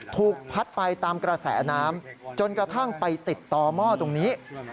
ถูกพัดไปตามกระแสน้ำจนกระทั่งไปติดต่อหม้อตรงนี้